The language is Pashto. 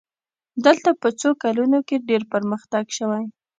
دلته په څو کلونو کې ډېر پرمختګ شوی.